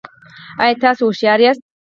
ایا تاسو هوښیار یاست؟